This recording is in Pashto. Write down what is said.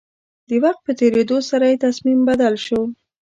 د وخت په تېرېدو سره يې تصميم بدل شو.